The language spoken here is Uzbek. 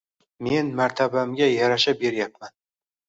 Men martabamga yarasha beryapman